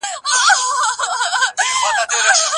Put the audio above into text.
ادبیات مختلف ډولونه لري.